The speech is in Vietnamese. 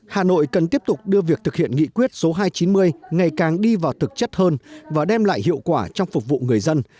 hà nội cần tiếp tục đưa việc thực hiện nghị quyết số hai trăm chín mươi ngày càng đi vào thực chất hơn và đem lại hiệu quả trong phục vụ người dân